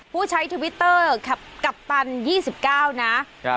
ผู้ใช้ทวิตเตอร์กัปตัน๒๙นะ